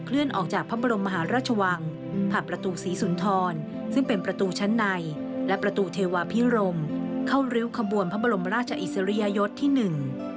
และประตูเทวาพิรมเข้าริ้วขบวนพระบรมราชอิสริยะยศที่หนึ่ง